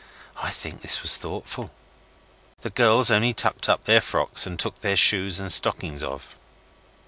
I think this was thoughtful. The girls only tucked up their frocks and took their shoes and stockings off.